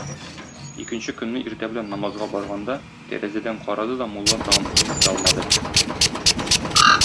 Икенче көнне, иртә белән намазга барганда, тәрәзәдән карады да мулла тагын узып китә алмады.